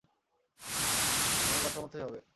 আমার কথা মতোই হবে।